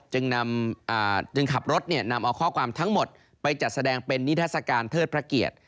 จึงขับรถนำเอาข้อความทั้งหมดไปจัดแสดงเป็นนิทัศกาลเทิดพระเกียรติ